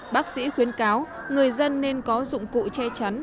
bác sĩ khuyến cáo người dân nên có dụng cụ che chắn